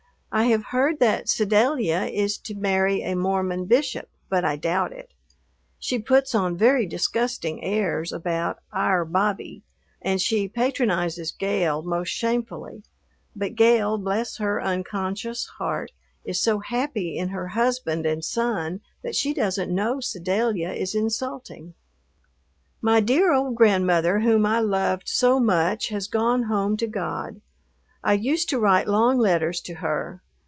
I have heard that Sedalia is to marry a Mormon bishop, but I doubt it. She puts on very disgusting airs about "our Bobby," and she patronizes Gale most shamefully; but Gale, bless her unconscious heart, is so happy in her husband and son that she doesn't know Sedalia is insulting. My dear old grandmother whom I loved so much has gone home to God. I used to write long letters to her.